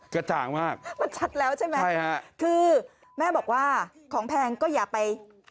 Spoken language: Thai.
กระจ่างมากมันชัดแล้วใช่ไหมใช่ฮะคือแม่บอกว่าของแพงก็อย่าไป